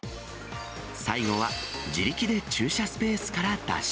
最後は自力で駐車スペースから脱出。